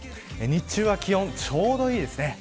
日中は気温ちょうどいいですね。